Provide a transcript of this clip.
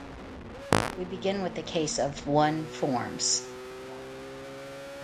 We begin with the case of one-forms.